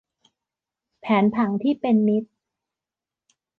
แผนผังที่เป็นมิตร